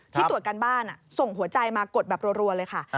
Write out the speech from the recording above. ที่ตรวจการบ้านส่งหัวใจมากดแบบรัวเลยค่ะ